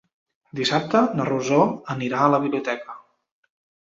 Dissabte na Rosó anirà a la biblioteca.